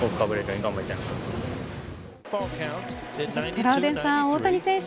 トラウデンさん、大谷選手